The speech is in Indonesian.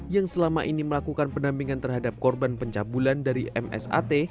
yang selama ini melakukan pendampingan terhadap korban pencabulan dari msat